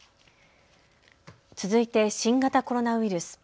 続いて新型コロナウイルス。